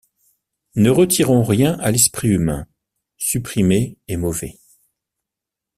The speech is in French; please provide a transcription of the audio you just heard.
Ne retirons rien à l’esprit humain ; supprimer est mauvais.